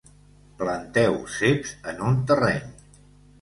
Planteu ceps en un terreny.